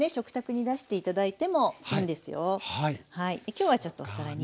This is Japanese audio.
今日はちょっとお皿に。